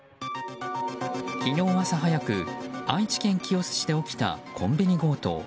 昨日朝早く、愛知県清須市で起きたコンビニ強盗。